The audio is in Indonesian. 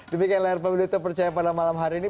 demikian layar pemilu terpercaya pada malam hari ini